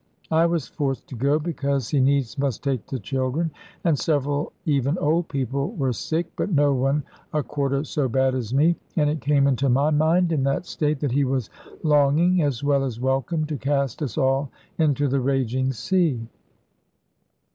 I was forced to go, because he needs must take the children; and several even old people were sick, but no one a quarter so bad as me. And it came into my mind in that state, that he was longing, as well as welcome, to cast us all into the raging sea.